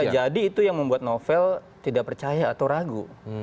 bisa jadi itu yang membuat novel tidak percaya atau ragu